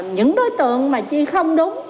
những đối tượng mà chi không đúng